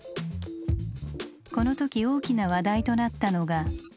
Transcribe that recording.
この時大きな話題となったのが。